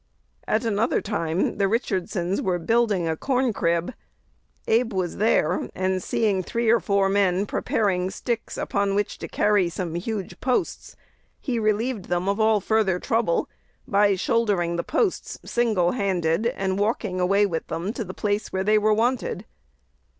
At another time the Richardsons were building a corn crib: Abe was there; and, seeing three or four men preparing "sticks" upon which to carry some huge posts, he relieved them of all further trouble by shouldering the posts, single handed, and walking away with them to the place where they were wanted.